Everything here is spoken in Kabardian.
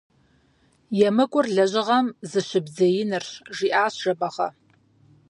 ЕмыкӀур лэжьыгъэм зыщыбдзеинырщ, – жиӀащ Жэбагъы.